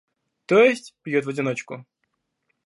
то есть, пьет в одиночку.